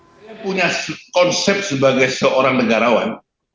saya punya konsep sebagai seorang negarawan